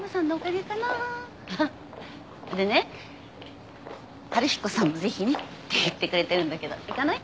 でね春彦さんもぜひにって言ってくれてるんだけど行かない？